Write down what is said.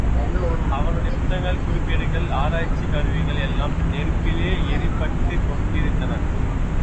அவனுடைய புத்தகங்கள், குறிப்பேடுகள், ஆராய்ச்சிக் கருவிகள் எல்லாம் நெருப்பிலே எரிபட்டுக் கொண்டிருந்தன.